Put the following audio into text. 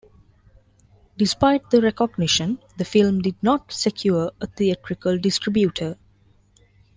Despite the recognition, the film did not secure a theatrical distributor.